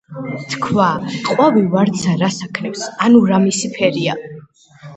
თქვა: ყვავი ვარდსა რას აქნევს ანუ რა მისი ფერია